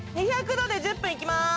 ２００度で１０分いきまーす。